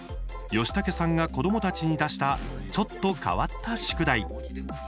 ヨシタケさんが子どもたちに出したちょっと変わった宿題。